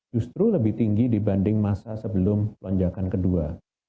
justru lebih tinggi dibanding masa sebelum lonjakan kedua